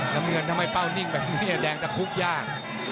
น้ำเงินทำให้เป้านิ่งแบบนี้แดงตะคุกยาก